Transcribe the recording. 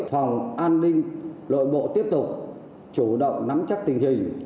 phòng an ninh nội bộ tiếp tục chủ động nắm chắc tình hình